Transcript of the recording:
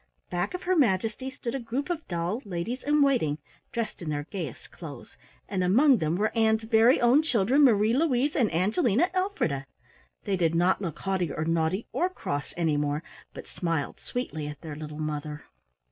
Back of her majesty stood a group of doll ladies in waiting dressed in their gayest clothes, and among them were Ann's very own children, Marie Louise and Angelina Elfrida! They did not look haughty or naughty or cross any more, but smiled sweetly at their little mother.